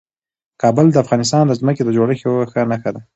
کابل د افغانستان د ځمکې د جوړښت یوه ښه نښه ده.